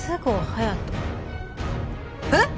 えっ？